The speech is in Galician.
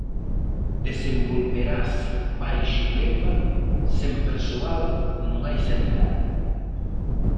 Desenvolverase baixo o lema "Sen persoal non hai sanidade".